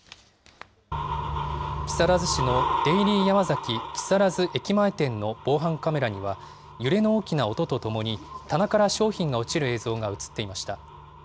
木更津市のデイリーヤマザキ木更津駅前店の防犯カメラには、揺れの大きな音とともに棚から商品が落ちる映像が写っていました。